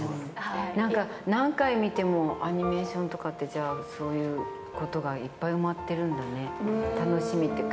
なんか何回見てもアニメーションとかって、じゃあ、そういうことがいっぱい埋まってるんだね、楽しみっていうか。